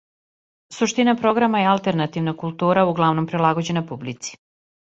Суштина програма је алтернативна култура, углавном прилагођена публици.